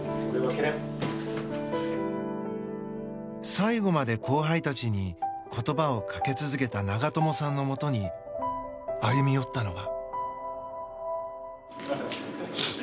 最後まで後輩たちに言葉をかけ続けた長友さんのもとに歩み寄ったのは。